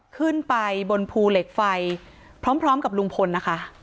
ขึ้นไปบนภูเหล็กไฟพร้อมกับลุงพลนะคะ